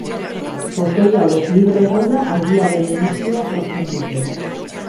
Fotoi hauek libre egonda argiaren emisioa sortzen dute.